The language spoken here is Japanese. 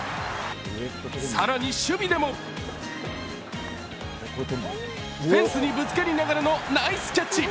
更に守備でもフェンスにぶつかりながらのナイスキャッチ。